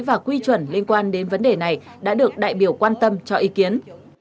và quy chuẩn liên quan đến vấn đề này đã được đại biểu quan tâm cho ý kiến